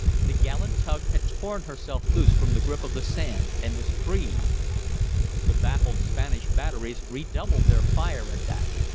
The gallant tug had torn herself loose from the grip of the sand and was free! The baffled Spanish batteries redoubled their fire at that.